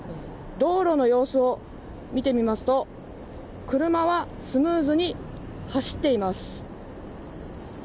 道路の様子を見てみますと車はスムーズに走っています。